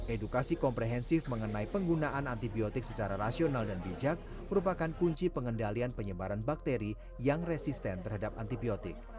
edukasi komprehensif mengenai penggunaan antibiotik secara rasional dan bijak merupakan kunci pengendalian penyebaran bakteri yang resisten terhadap antibiotik